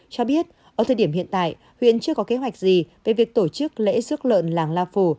cho biết ở thời điểm hiện tại huyện chưa có kế hoạch gì về việc tổ chức lễ rước lợn làng la phủ